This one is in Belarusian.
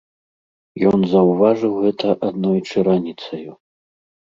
Ён заўважыў гэта аднойчы раніцаю.